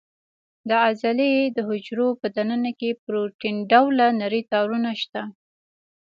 د عضلې د حجرو په دننه کې پروتین ډوله نري تارونه شته.